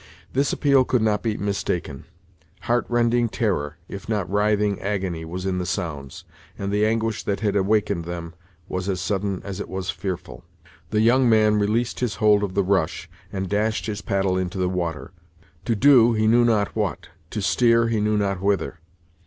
This appeal could not be mistaken. Heart rending terror if not writhing agony was in the sounds, and the anguish that had awakened them was as sudden as it was fearful. The young man released his hold of the rush, and dashed his paddle into the water; to do, he knew not what to steer, he knew not whither.